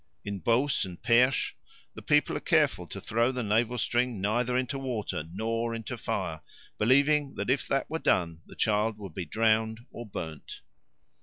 In Beauce and Perche the people are careful to throw the navel string neither into water nor into fire, believing that if that were done the child would be drowned or burned.